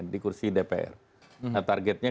di kursi dpr nah targetnya